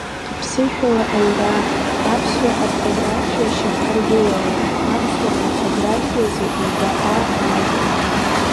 Аԥсышәала аҩра, Аԥсуа орфографиа шьақәҳаргылароуп, Аԥсуа орфографиазы ҩбаҟа ажәа.